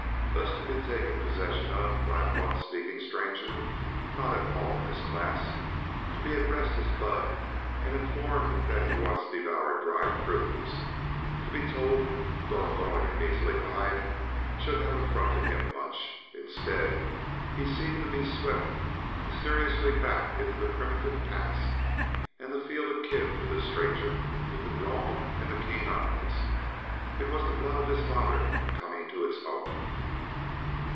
To be thus taken possession of by a blunt speaking stranger not at all in his class; to be addressed as "Bud," and informed that he once devoured dried prunes; to be told "Doggone your measly hide" should have affronted him much. Instead, he seemed to be swept mysteriously back into the primitive past, and to feel akin to this stranger with the drawl and the keen eyes. It was the blood of his father coming to its own.